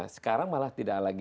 sekarang malah tidak lagi